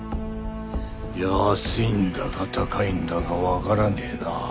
安いんだか高いんだかわからねえな。